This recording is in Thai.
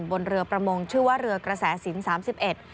บนเรือประมงชื่อว่าเรือกระแสสินสามสิบเอ็ด